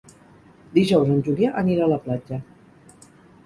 Dijous en Julià anirà a la platja.